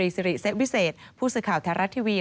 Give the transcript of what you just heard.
สิริเซวิเศษผู้สื่อข่าวแท้รัฐทีวี